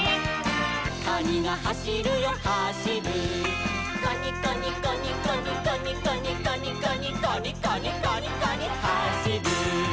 「カニがはしるよはしる」「カニカニカニカニカニカニカニカニ」「カニカニカニカニはしる」